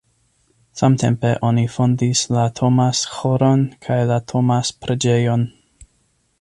Samtempe oni fondis la Thomas-ĥoron kaj la Thomas-preĝejon.